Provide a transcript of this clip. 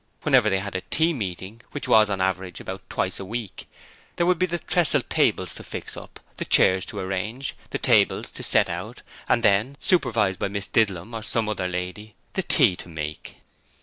Whenever they had a tea meeting which was on an average about twice a week there were the trestle tables to fix up, the chairs to arrange, the table to set out, and then, supervised by Miss Didlum or some other lady, the tea to make.